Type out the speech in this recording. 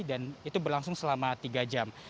dan itu berlangsung selama tiga jam